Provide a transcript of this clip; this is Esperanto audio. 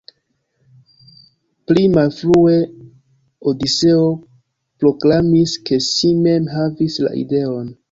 Pli malfrue, Odiseo proklamis, ke si mem havis la ideon.